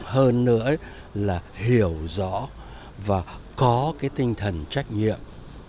cái quan trọng hơn nữa là hiểu rõ và có cái tinh thần trách nhiệm